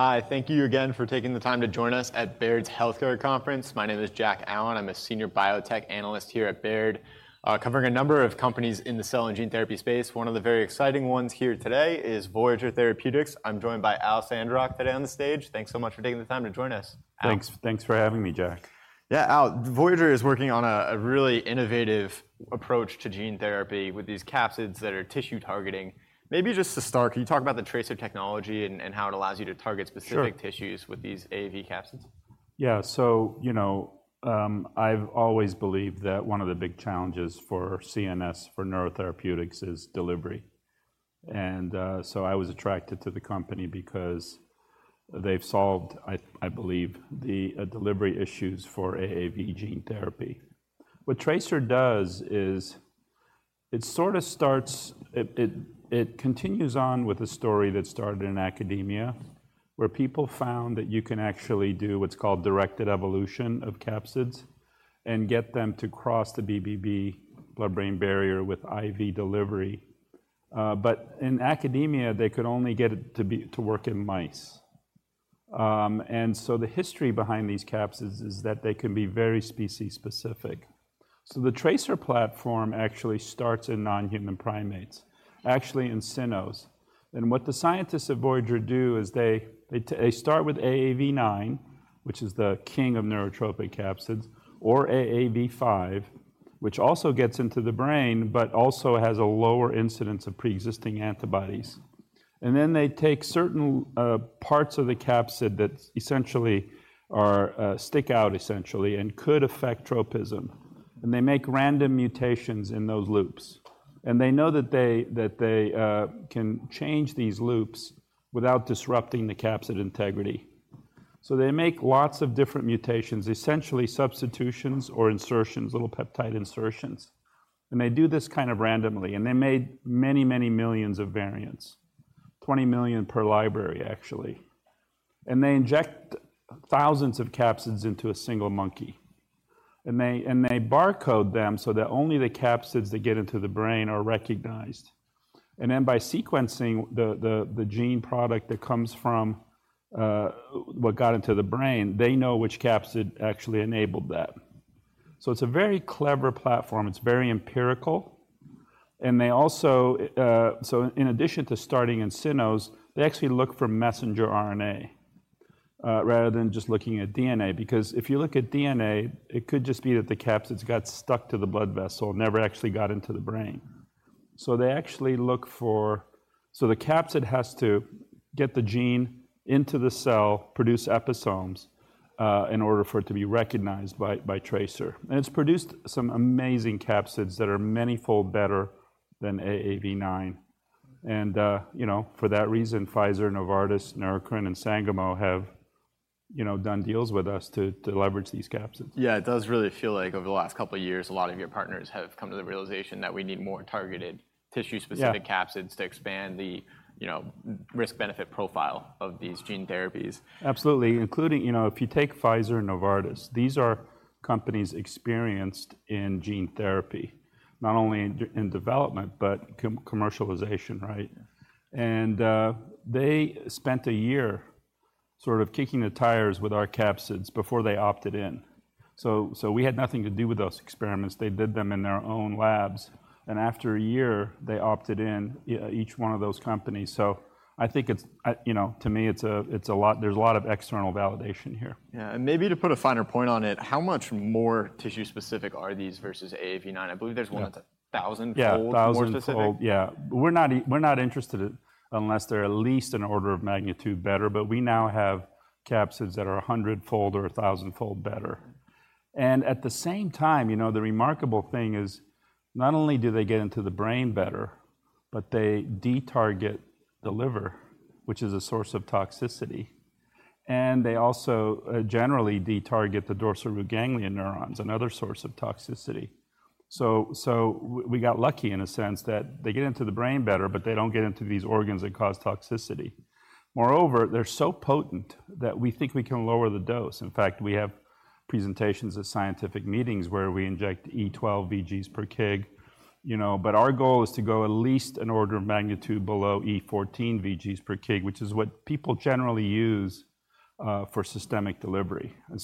Hi, thank you again for taking the time to join us at Baird's Healthcare Conference. My name is Jack Allen. I'm a senior biotech analyst here at Baird, covering a number of companies in the cell and gene therapy space. One of the very exciting ones here today is Voyager Therapeutics. I'm joined by Al Sandrock today on the stage. Thanks so much for taking the time to join us. Al- Thanks, thanks for having me, Jack. Yeah, Al, Voyager is working on a really innovative approach to gene therapy with these capsids that are tissue targeting. Maybe just to start, can you talk about the TRACER technology and how it allows you to target specific- Sure tissues with these AAV capsids? Yeah, so, you know, I've always believed that one of the big challenges for CNS, for neurotherapeutics, is delivery. I was attracted to the company because they've solved, I believe, the delivery issues for AAV gene therapy. What TRACER does is, it sort of starts... It continues on with a story that started in academia, where people found that you can actually do what's called directed evolution of capsids and get them to cross the BBB, blood-brain barrier, with IV delivery. In academia, they could only get it to work in mice. The history behind these capsids is that they can be very species-specific. The TRACER platform actually starts in non-human primates, actually in cynos. What the scientists at Voyager do is they start with AAV9, which is the king of neurotropic capsids, or AAV5, which also gets into the brain, but also has a lower incidence of pre-existing antibodies. Then they take certain parts of the capsid that essentially are stick out essentially, and could affect tropism, and they make random mutations in those loops. And they know that they can change these loops without disrupting the capsid integrity. So they make lots of different mutations, essentially substitutions or insertions, little peptide insertions, and they do this kind of randomly, and they made many, many millions of variants. 20 million per library, actually. And they inject thousands of capsids into a single monkey, and they barcode them so that only the capsids that get into the brain are recognized. And then by sequencing the gene product that comes from what got into the brain, they know which capsid actually enabled that. So it's a very clever platform, it's very empirical, and they also... So in addition to starting in cynos, they actually look for messenger RNA rather than just looking at DNA, because if you look at DNA, it could just be that the capsids got stuck to the blood vessel, never actually got into the brain. So they actually look for— So the capsid has to get the gene into the cell, produce episomes in order for it to be recognized by TRACER. And it's produced some amazing capsids that are manyfold better than AAV9. And you know, for that reason, Pfizer, Novartis, Neurocrine, and Sangamo have you know done deals with us to leverage these capsids. Yeah, it does really feel like over the last couple of years, a lot of your partners have come to the realization that we need more targeted tissue-specific- Yeah... capsids to expand the, you know, risk-benefit profile of these gene therapies. Absolutely, including, you know, if you take Pfizer and Novartis, these are companies experienced in gene therapy, not only in development, but commercialization, right? And they spent a year sort of kicking the tires with our capsids before they opted in. So we had nothing to do with those experiments. They did them in their own labs, and after a year, they opted in each one of those companies. So I think it's, you know, to me, it's a lot—there's a lot of external validation here. Yeah, and maybe to put a finer point on it, how much more tissue specific are these versus AAV9? I believe there's one that's a 1,000-fold- Yeah... more specific. Thousand-fold. Yeah. We're not interested unless they're at least an order of magnitude better, but we now have capsids that are 100-fold or 1,000-fold better. And at the same time, you know, the remarkable thing is, not only do they get into the brain better, but they de-target the liver, which is a source of toxicity, and they also generally de-target the dorsal root ganglion neurons, another source of toxicity. So we got lucky in a sense that they get into the brain better, but they don't get into these organs that cause toxicity. Moreover, they're so potent that we think we can lower the dose. In fact, we have presentations at scientific meetings where we inject 10^12 VGs/kg. You know, but our goal is to go at least an order of magnitude below E14 VGs per kg, which is what people generally use, for systemic delivery. And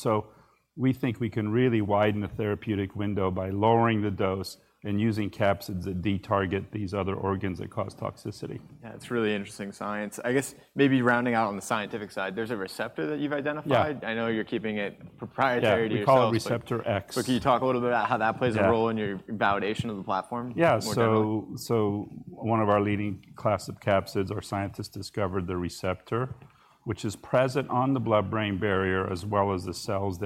so we think we can really widen the therapeutic window by lowering the dose and using capsids that de-target these other organs that cause toxicity. Yeah, it's really interesting science. I guess maybe rounding out on the scientific side, there's a receptor that you've identified? Yeah. I know you're keeping it proprietary to yourself- Yeah, we call it Receptor X. But can you talk a little bit about how that plays a role? Yeah... in your validation of the platform? Yeah. More generally. So one of our leading class of capsids, our scientists discovered the receptor, which is present on the blood-brain barrier, as well as the cells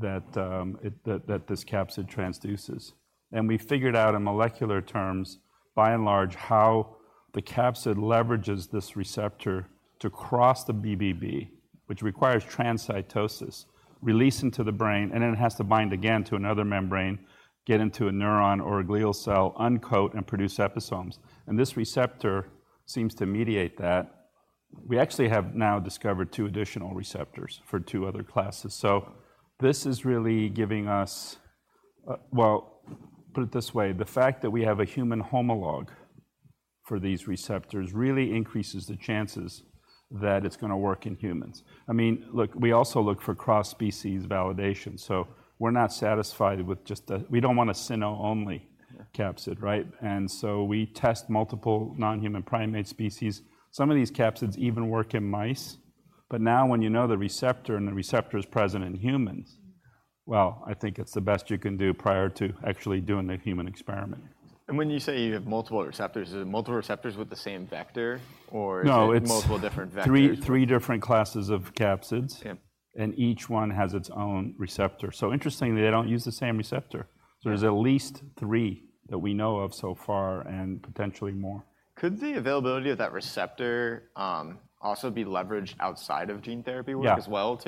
that this capsid transduces. And we figured out in molecular terms, by and large, how the capsid leverages this receptor to cross the BBB, which requires transcytosis, release into the brain, and then it has to bind again to another membrane, get into a neuron or a glial cell, uncoat, and produce episomes. And this receptor seems to mediate that. We actually have now discovered two additional receptors for two other classes. So this is really giving us well, put it this way: the fact that we have a human homologue for these receptors really increases the chances that it's gonna work in humans. I mean, look, we also look for cross-species validation, so we're not satisfied with just the-- We don't want a cyno-only capsid, right? Yeah. And so we test multiple non-human primate species. Some of these capsids even work in mice. But now, when you know the receptor, and the receptor is present in humans, well, I think it's the best you can do prior to actually doing the human experiment. When you say you have multiple receptors, is it multiple receptors with the same vector? Or- No, it's- Is it multiple different vectors?... 3 different classes of capsids. Yeah. Each one has its own receptor. Interestingly, they don't use the same receptor. Yeah. There's at least three that we know of so far, and potentially more. Could the availability of that receptor also be leveraged outside of gene therapy work- Yeah as well,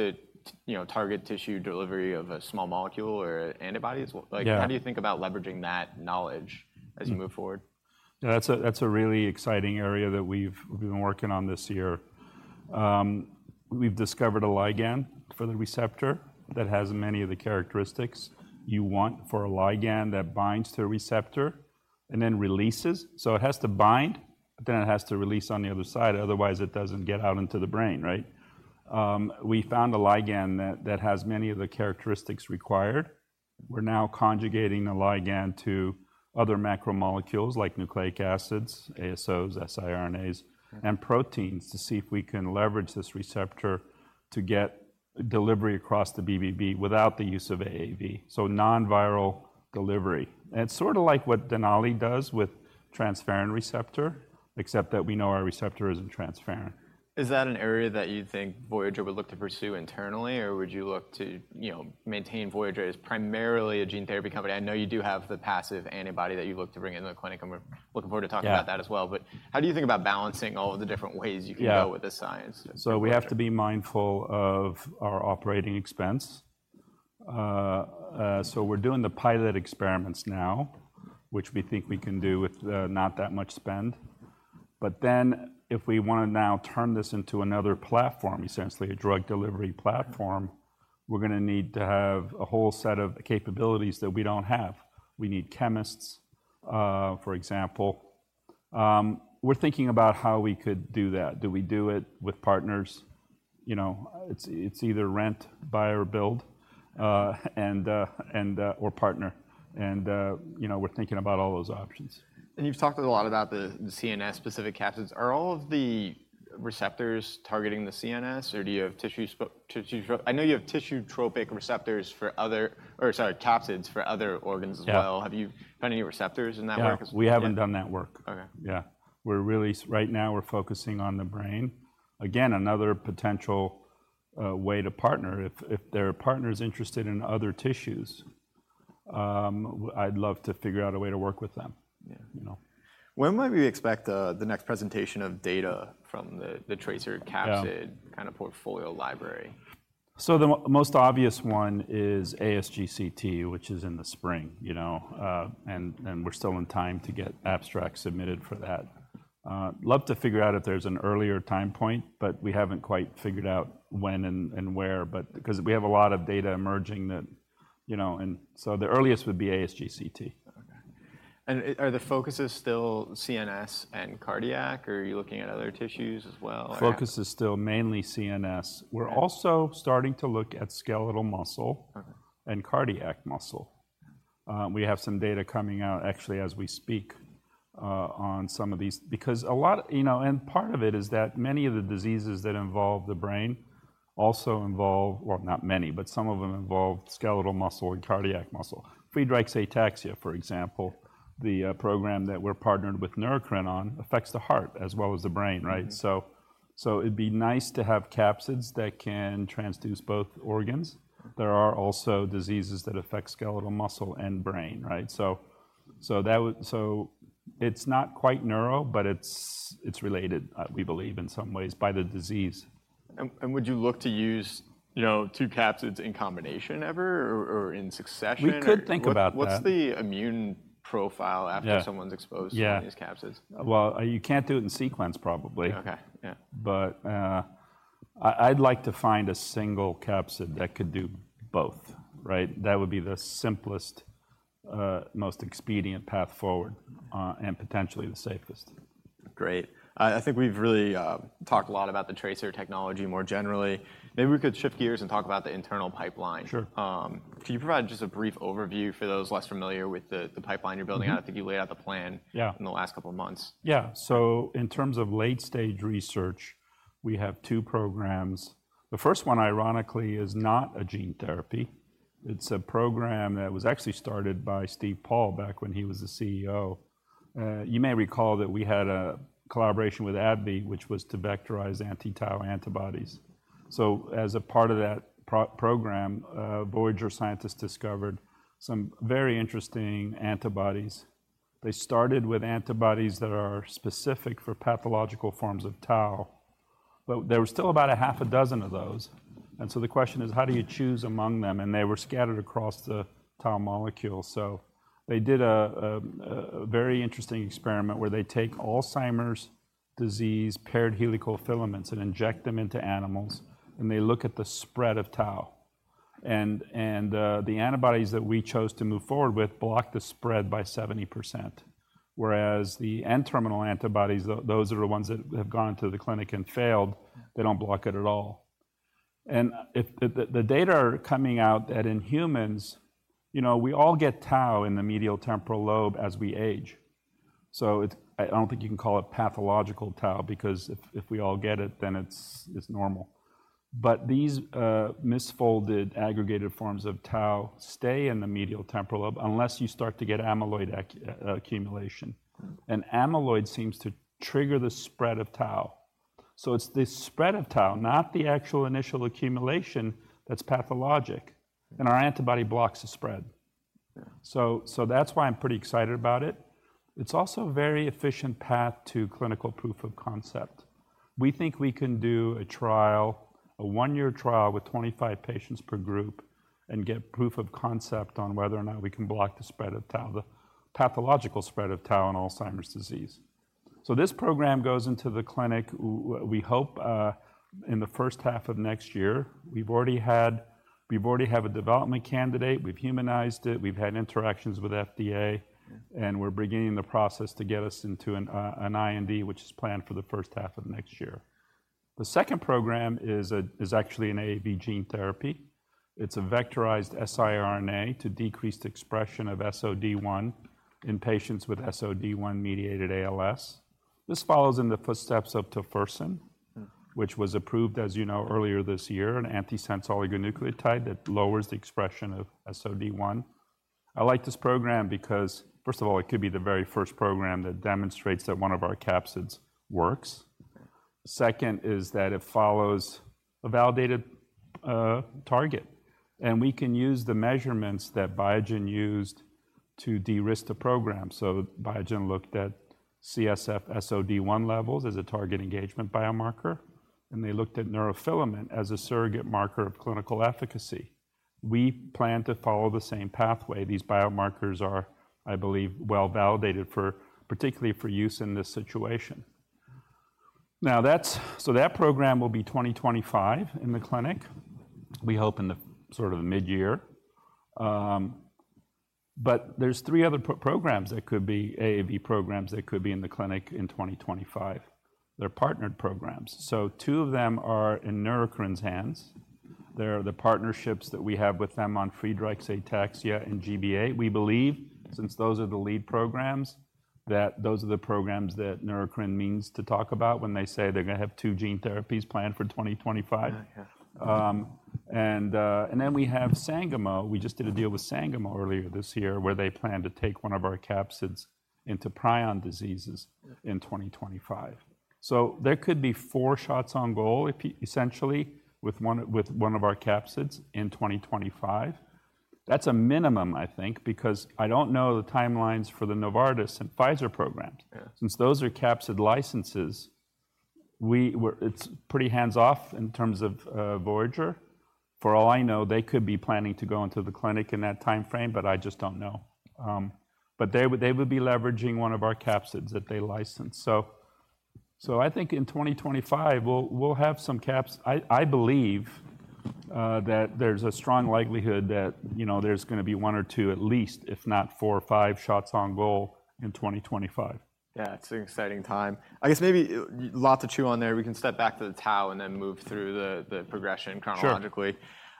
you know, target tissue delivery of a small molecule or antibodies? Yeah. Like, how do you think about leveraging that knowledge as you move forward? Yeah, that's a really exciting area that we've been working on this year. We've discovered a ligand for the receptor that has many of the characteristics you want for a ligand that binds to a receptor and then releases. So it has to bind, but then it has to release on the other side, otherwise it doesn't get out into the brain, right? We found a ligand that has many of the characteristics required. We're now conjugating a ligand to other macromolecules like nucleic acids, ASOs, siRNAs- Yeah... and proteins, to see if we can leverage this receptor to get delivery across the BBB without the use of AAV, so non-viral delivery. It's sort of like what Denali does with transferrin receptor, except that we know our receptor isn't transferrin. Is that an area that you think Voyager would look to pursue internally? Or would you look to, you know, maintain Voyager as primarily a gene therapy company? I know you do have the passive antibody that you look to bring into the clinic, and we're looking forward to talking about that as well. Yeah. But how do you think about balancing all of the different ways you can go- Yeah with the science at Voyager? So we have to be mindful of our operating expense. So we're doing the pilot experiments now, which we think we can do with not that much spend. But then, if we want to now turn this into another platform, essentially a drug delivery platform, we're gonna need to have a whole set of capabilities that we don't have. We need chemists, for example. We're thinking about how we could do that. Do we do it with partners? You know, it's either rent, buy or build, or partner. You know, we're thinking about all those options. And you've talked a lot about the CNS-specific capsids. Are all of the receptors targeting the CNS, or do you have tissue-tropic receptors for other, or sorry, capsids for other organs as well? Yeah. Have you found any receptors in that work? Yeah, we haven't done that work. Okay. Yeah. We're really focusing on the brain right now. Again, another potential way to partner. If there are partners interested in other tissues, I'd love to figure out a way to work with them. Yeah. You know. When might we expect the next presentation of data from the TRACER capsid- Yeah... kind of portfolio library? So the most obvious one is ASGCT, which is in the spring, you know, and we're still on time to get abstracts submitted for that. Love to figure out if there's an earlier time point, but we haven't quite figured out when and where, but... Because we have a lot of data emerging that, you know, and so the earliest would be ASGCT. Okay. And are the focuses still CNS and cardiac, or are you looking at other tissues as well? Focus is still mainly CNS. Okay. We're also starting to look at skeletal muscle- Okay... and cardiac muscle. We have some data coming out, actually, as we speak, on some of these. Because a lot, you know. And part of it is that many of the diseases that involve the brain also involve... Well, not many, but some of them involve skeletal muscle and cardiac muscle. Friedreich's ataxia, for example, the program that we're partnered with Neurocrine on, affects the heart as well as the brain, right? Mm-hmm. So, it'd be nice to have capsids that can transduce both organs. There are also diseases that affect skeletal muscle and brain, right? So it's not quite neuro, but it's related, we believe, in some ways, by the disease. Would you look to use, you know, two capsids in combination ever or in succession? We could think about that. What's the immune profile- Yeah... after someone's exposed to these capsids? Yeah. Well, you can't do it in sequence, probably. Okay. Yeah. But, I'd like to find a single capsid that could do both, right? That would be the simplest, most expedient path forward, and potentially the safest. Great. I think we've really talked a lot about the TRACER technology more generally. Maybe we could shift gears and talk about the internal pipeline. Sure. Can you provide just a brief overview for those less familiar with the pipeline you're building out? Mm-hmm. I think you laid out the plan- Yeah... in the last couple of months. Yeah. So in terms of late-stage research, we have two programs. The first one, ironically, is not a gene therapy. It's a program that was actually started by Steve Paul, back when he was the CEO. You may recall that we had a collaboration with AbbVie, which was to vectorize anti-tau antibodies. So as a part of that program, Voyager scientists discovered some very interesting antibodies. They started with antibodies that are specific for pathological forms of tau, but there were still about a half a dozen of those. And so the question is: How do you choose among them? And they were scattered across the tau molecule. So they did a very interesting experiment, where they take Alzheimer's disease paired helical filaments, and inject them into animals, and they look at the spread of tau. The antibodies that we chose to move forward with block the spread by 70%, whereas the N-terminal antibodies, those are the ones that have gone to the clinic and failed, they don't block it at all. And if the data are coming out that in humans, you know, we all get tau in the medial temporal lobe as we age. So it. I don't think you can call it pathological tau, because if we all get it, then it's normal. But these misfolded, aggregated forms of tau stay in the medial temporal lobe, unless you start to get amyloid accumulation. Mm. Amyloid seems to trigger the spread of tau. It's the spread of tau, not the actual initial accumulation, that's pathologic, and our antibody blocks the spread. Yeah. So, so that's why I'm pretty excited about it. It's also a very efficient path to clinical proof of concept. We think we can do a trial, a one-year trial with 25 patients per group, and get proof of concept on whether or not we can block the spread of tau, the pathological spread of tau in Alzheimer's disease. So this program goes into the clinic, we hope, in the first half of next year. We already have a development candidate. We've humanized it, we've had interactions with FDA, and we're beginning the process to get us into an IND, which is planned for the first half of next year. The second program is actually an AAV gene therapy. It's a vectorized siRNA to decrease the expression of SOD1 in patients with SOD1-mediated ALS. This follows in the footsteps of Tofersen- Mm... which was approved, as you know, earlier this year, an antisense oligonucleotide that lowers the expression of SOD1. I like this program because, first of all, it could be the very first program that demonstrates that one of our capsids works. Second, is that it follows a validated target, and we can use the measurements that Biogen used to de-risk the program. So Biogen looked at CSF SOD1 levels as a target engagement biomarker, and they looked at neurofilament as a surrogate marker of clinical efficacy. We plan to follow the same pathway. These biomarkers are, I believe, well-validated for, particularly for use in this situation. Now, that's so that program will be 2025 in the clinic. We hope in the sort of mid-year. But there's three other programs that could be AAV programs, that could be in the clinic in 2025. They're partnered programs. So two of them are in Neurocrine's hands. They're the partnerships that we have with them on Friedreich's ataxia and GBA. We believe, since those are the lead programs, that those are the programs that Neurocrine means to talk about when they say they're gonna have two gene therapies planned for 2025. Yeah. Yeah. We have Sangamo. We just did a deal with Sangamo earlier this year, where they plan to take one of our capsids into prion diseases- Yeah... in 2025. So there could be four shots on goal, if essentially, with one, with one of our capsids in 2025. That's a minimum, I think, because I don't know the timelines for the Novartis and Pfizer programs. Yeah. Since those are capsid licenses, it's pretty hands-off in terms of Voyager. For all I know, they could be planning to go into the clinic in that timeframe, but I just don't know. But they would be leveraging one of our capsids that they licensed. So I think in 2025, we'll have some capsids. I believe that there's a strong likelihood that, you know, there's gonna be one or two at least, if not four or five shots on goal in 2025. Yeah, it's an exciting time. I guess maybe, a lot to chew on there. We can step back to the tau and then move through the progression chronologically.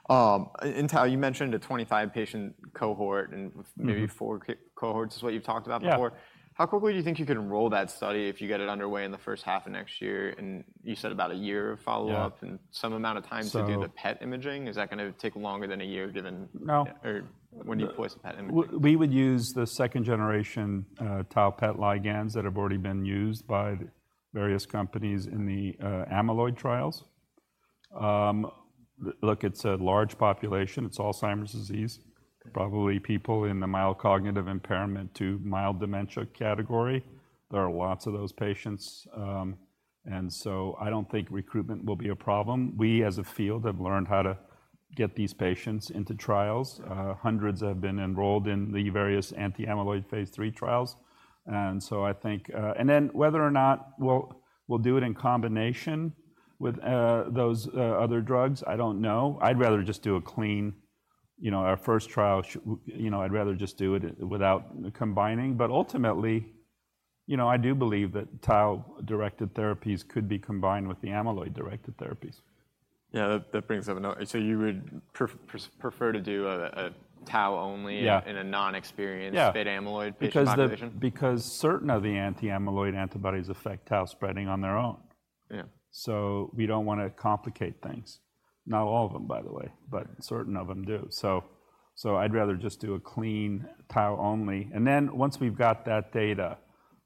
Sure! In tau, you mentioned a 25-patient cohort, and- Mm-hmm... maybe four cohorts is what you've talked about before. Yeah. How quickly do you think you can enroll that study if you get it underway in the first half of next year? And you said about a year of follow-up. Yeah... and some amount of time to do- So-... the PET imaging. Is that gonna take longer than a year, given- No. Or when do you place the PET imaging? We would use the second-generation tau PET ligands that have already been used by the various companies in the amyloid trials. Look, it's a large population. It's Alzheimer's disease- Yeah... probably people in the mild cognitive impairment to mild dementia category. There are lots of those patients, and so I don't think recruitment will be a problem. We, as a field, have learned how to get these patients into trials. Mm. Hundreds have been enrolled in the various anti-amyloid phase III trials, and so I think. And then whether or not we'll do it in combination with those other drugs, I don't know. I'd rather just do a clean. You know, our first trial, you know, I'd rather just do it without combining. But ultimately, you know, I do believe that tau-directed therapies could be combined with the amyloid-directed therapies. Yeah, that brings up another. So you would prefer to do a tau-only- Yeah... in a non-experience- Yeah... fit amyloid patient population? Because certain of the anti-amyloid antibodies affect tau spreading on their own. Yeah. So we don't want to complicate things. Not all of them, by the way, but certain of them do. So I'd rather just do a clean tau-only, and then once we've got that data,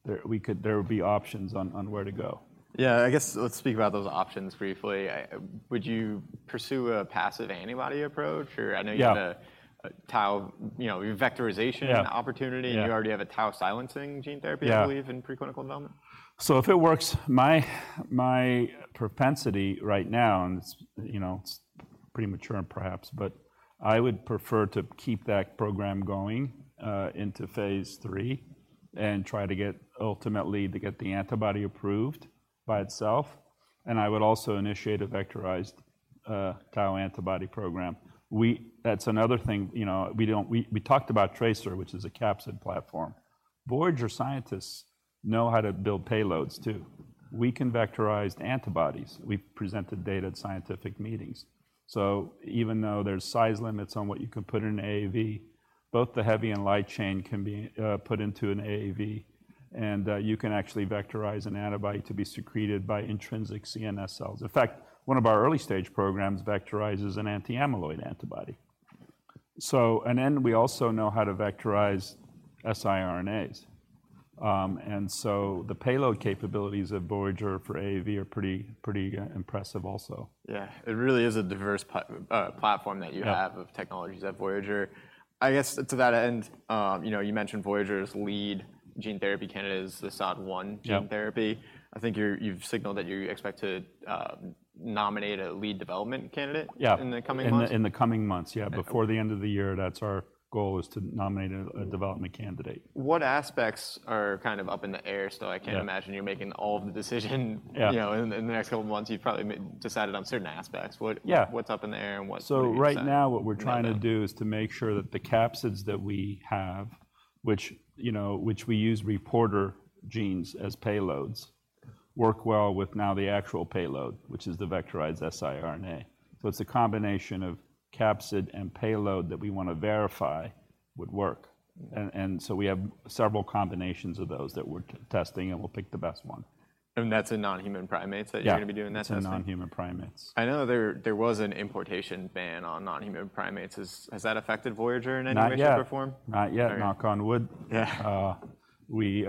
there, we could, there would be options on, on where to go. Yeah, I guess let's speak about those options briefly. Would you pursue a passive antibody approach, or- Yeah... I know you have a tau, you know, vectorization- Yeah... opportunity. Yeah. You already have a tau-silencing gene therapy- Yeah... I believe, in preclinical development. So if it works, my propensity right now, and it's, you know, premature and perhaps, but I would prefer to keep that program going into phase three and try to get, ultimately, to get the antibody approved by itself, and I would also initiate a vectorized tau antibody program. That's another thing, you know, we don't we talked about TRACER, which is a capsid platform. Voyager scientists know how to build payloads, too. We can vectorize antibodies. We've presented data at scientific meetings. So even though there's size limits on what you can put in an AAV, both the heavy and light chain can be put into an AAV, and you can actually vectorize an antibody to be secreted by intrinsic CNS cells. In fact, one of our early-stage programs vectorizes an anti-amyloid antibody. So, and then we also know how to vectorize siRNAs. And so the payload capabilities of Voyager for AAV are pretty, pretty impressive also. Yeah, it really is a diverse platform that you have- Yeah... of technologies at Voyager. I guess to that end, you know, you mentioned Voyager's lead gene therapy candidate is the SOD1- Yeah - gene therapy. I think you're, you've signaled that you expect to, nominate a lead development candidate- Yeah - in the coming months? In the coming months, yeah. Okay. Before the end of the year, that's our goal, is to nominate a development candidate. What aspects are kind of up in the air still? Yeah. I can't imagine you're making all of the decision. Yeah... you know, in the next couple months, you've probably decided on certain aspects. What- Yeah... what's up in the air and what's been decided? So right now, what we're trying to do is to make sure that the capsids that we have, which, you know, we use reporter genes as payloads, work well with now the actual payload, which is the vectorized siRNA. So it's a combination of capsid and payload that we want to verify would work. And so we have several combinations of those that we're testing, and we'll pick the best one. And that's in non-human primates. Yeah - you're going to be doing that testing? That's in non-human primates. I know there was an importation ban on non-human primates. Has that affected Voyager in any way? Not yet... to perform? Not yet. All right. Knock on wood. Yeah. You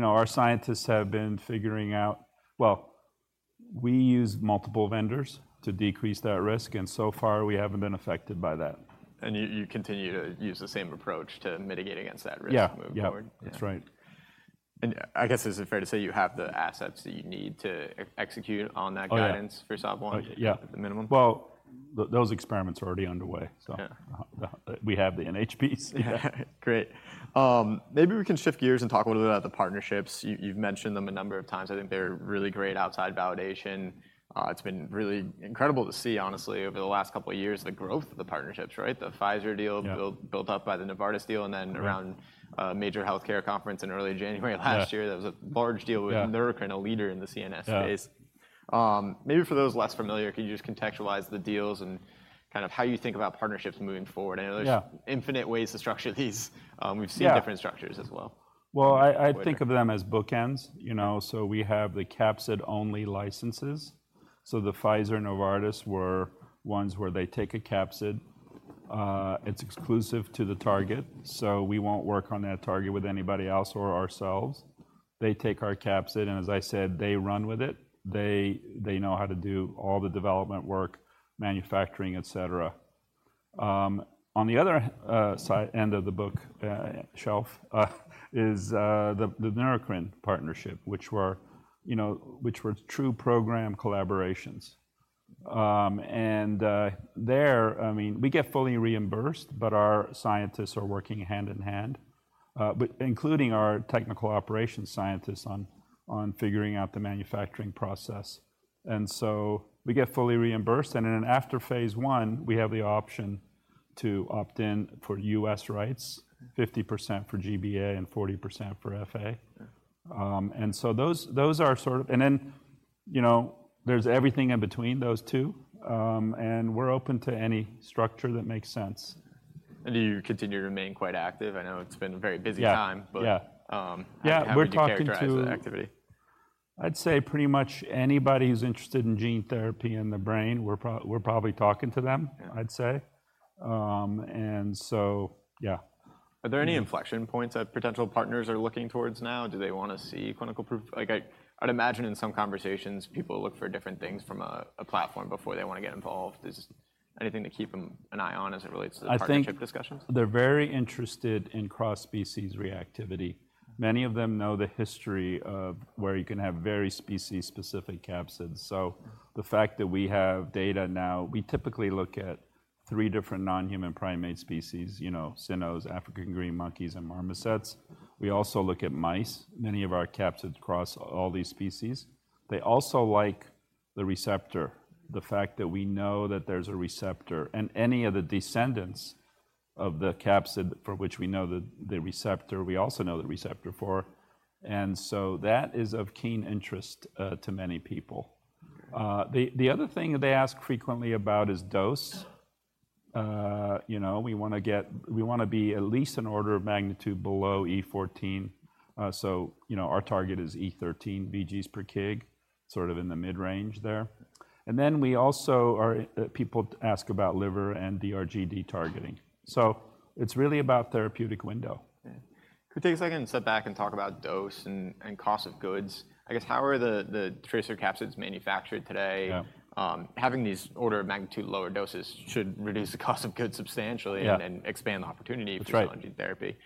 know, our scientists have been figuring out. Well, we use multiple vendors to decrease that risk, and so far we haven't been affected by that. And you continue to use the same approach to mitigate against that risk- Yeah... moving forward? Yeah. That's right. I guess, is it fair to say you have the assets that you need to execute on that? Oh, yeah... guidance for SOD1? Yeah. At the minimum. Well, those experiments are already underway, so- Yeah... we have the NHPs. Great. Maybe we can shift gears and talk a little bit about the partnerships. You, you've mentioned them a number of times. I think they're really great outside validation. It's been really incredible to see, honestly, over the last couple of years, the growth of the partnerships, right? The Pfizer deal- Yeah... built up by the Novartis deal, and then around- Yeah... a major healthcare conference in early January of last year- Yeah... that was a large deal with- Yeah... Neurocrine, a leader in the CNS space. Yeah. Maybe for those less familiar, could you just contextualize the deals and kind of how you think about partnerships moving forward? Yeah. I know there's infinite ways to structure these. We've seen- Yeah... different structures as well. Well, I think of them as bookends, you know. So we have the capsid-only licenses. So the Pfizer and Novartis were ones where they take a capsid, it's exclusive to the target, so we won't work on that target with anybody else or ourselves. They take our capsid and, as I said, they run with it. They know how to do all the development work, manufacturing, et cetera. On the other side end of the book shelf is the Neurocrine partnership, which, you know, were true program collaborations. And there, I mean, we get fully reimbursed, but our scientists are working hand in hand but including our technical operations scientists on figuring out the manufacturing process. And so we get fully reimbursed, and then after phase 1, we have the option to opt in for U.S. rights, 50% for GBA and 40% for FA. Yeah. And so those are sort of. And then, you know, there's everything in between those two. And we're open to any structure that makes sense. Do you continue to remain quite active? I know it's been a very busy time. Yeah. Yeah. But, um- Yeah, we're talking to- How would you characterize the activity? I'd say pretty much anybody who's interested in gene therapy in the brain, we're probably talking to them- Yeah... I'd say. And so, yeah. Are there any inflection points that potential partners are looking towards now? Do they want to see clinical proof? Like I'd imagine in some conversations, people look for different things from a platform before they want to get involved. Is anything to keep an eye on as it relates to the partnership discussions? I think they're very interested in cross-species reactivity. Many of them know the history of where you can have very species-specific capsids. So the fact that we have data now, we typically look at three different non-human primate species, you know, cynos, African green monkeys, and marmosets. We also look at mice, many of our capsids cross all these species. They also like the receptor, the fact that we know that there's a receptor, and any of the descendants of the capsid for which we know the receptor, we also know the receptor for, and so that is of keen interest to many people. The other thing they ask frequently about is dose. You know, we want to be at least an order of magnitude below E14. So, you know, our target is E13 VGs per kg, sort of in the mid-range there. Then we also are, people ask about liver and DRG targeting. So it's really about therapeutic window. Yeah. Could we take a second and step back and talk about dose and cost of goods? I guess, how are the TRACER capsids manufactured today? Yeah. Having these order of magnitude lower doses should reduce the cost of goods substantially- Yeah... and expand the opportunity- That's right... for gene therapy.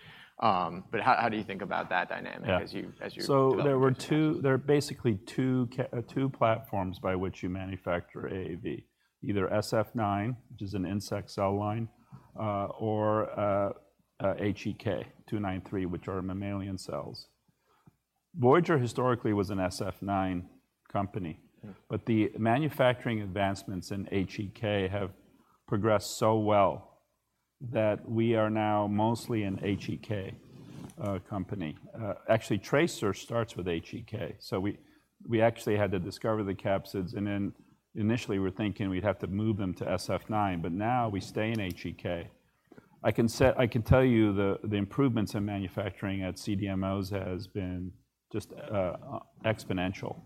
But how do you think about that dynamic? Yeah... as you develop these capsids? So there are basically two platforms by which you manufacture AAV, either Sf9, which is an insect cell line, or HEK293, which are mammalian cells. Voyager historically was an Sf9 company, but the manufacturing advancements in HEK have progressed so well that we are now mostly an HEK company. Actually, TRACER starts with HEK, so we actually had to discover the capsids, and then initially we were thinking we'd have to move them to Sf9, but now we stay in HEK. I can tell you the improvements in manufacturing at CDMOs has been just exponential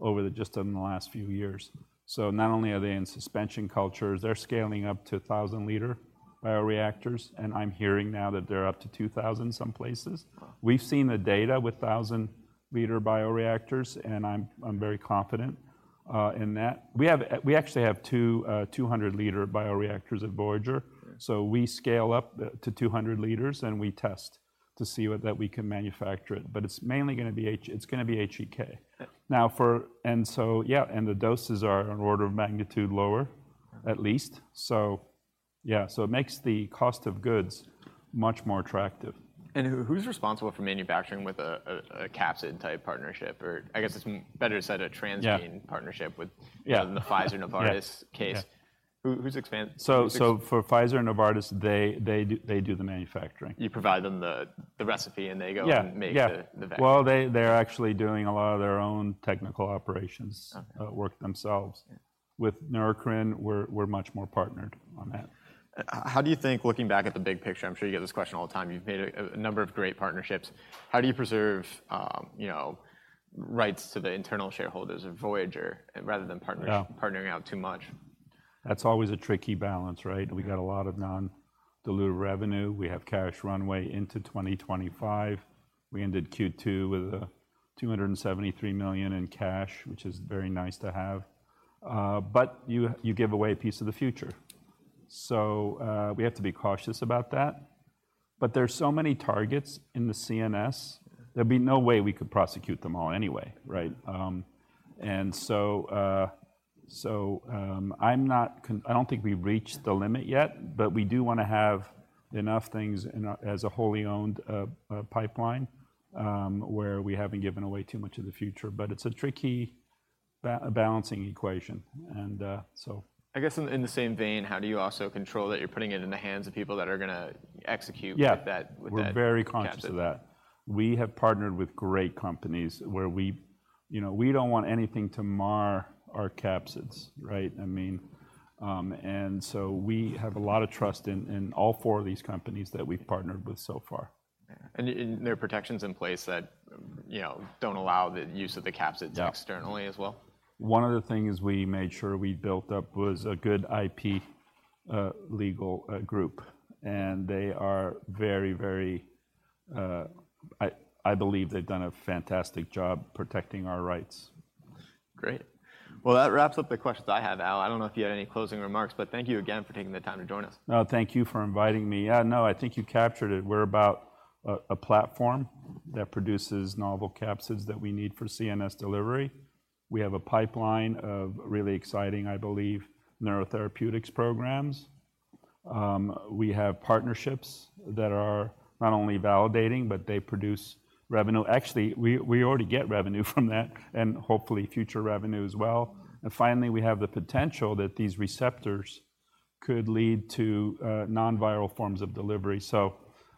over just the last few years. So not only are they in suspension cultures, they're scaling up to 1,000-liter bioreactors, and I'm hearing now that they're up to 2,000 some places. We've seen the data with 1,000-liter bioreactors, and I'm very confident in that. We have. We actually have two 200-liter bioreactors at Voyager. Right. So we scale up to 200 liters, and we test to see whether we can manufacture it. But it's mainly gonna be HEK. Yep. So, yeah, the doses are an order of magnitude lower, at least. Right. Yeah, so it makes the cost of goods much more attractive. Who's responsible for manufacturing with a capsid-type partnership? Or I guess it's better to say a transgene- Yeah... partnership with- Yeah... the Pfizer, Novartis case. Yeah. Who's expand- So, for Pfizer and Novartis, they do the manufacturing. You provide them the recipe, and they go- Yeah... and make the vaccine. Well, they're actually doing a lot of their own technical operations- Okay... work themselves. Yeah. With Neurocrine, we're much more partnered on that. How do you think, looking back at the big picture, I'm sure you get this question all the time, you've made a number of great partnerships. How do you preserve, you know, rights to the internal shareholders of Voyager, rather than partners- Yeah... partnering out too much? That's always a tricky balance, right? We've got a lot of non-dilutive revenue. We have cash runway into 2025. We ended Q2 with $273 million in cash, which is very nice to have. But you give away a piece of the future. So we have to be cautious about that, but there are so many targets in the CNS, there'd be no way we could prosecute them all anyway, right? I don't think we've reached the limit yet, but we do wanna have enough things in our, as a wholly owned pipeline, where we haven't given away too much of the future, but it's a tricky balancing equation, and so. I guess in the same vein, how do you also control that you're putting it in the hands of people that are gonna execute? Yeah... with that, with that capsid? We're very conscious of that. We have partnered with great companies where we... You know, we don't want anything to mar our capsids, right? I mean, and so we have a lot of trust in all four of these companies that we've partnered with so far. Yeah. And there are protections in place that, you know, don't allow the use of the capsids- Yeah... externally as well? One of the things we made sure we built up was a good IP, legal, group, and they are very, very... I believe they've done a fantastic job protecting our rights. Great. Well, that wraps up the questions I have, Al. I don't know if you had any closing remarks, but thank you again for taking the time to join us. No, thank you for inviting me. Yeah, no, I think you captured it. We're about a platform that produces novel capsids that we need for CNS delivery. We have a pipeline of really exciting, I believe, neurotherapeutics programs. We have partnerships that are not only validating, but they produce revenue. Actually, we already get revenue from that, and hopefully future revenue as well. And finally, we have the potential that these receptors could lead to non-viral forms of delivery. So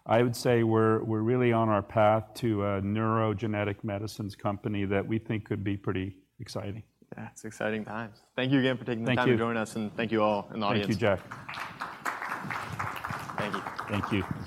I would say we're really on our path to a neurogenetic medicines company that we think could be pretty exciting. Yeah, it's exciting times. Thank you again for taking the time- Thank you... to join us, and thank you all in the audience. Thank you, Jack. Thank you. Thank you.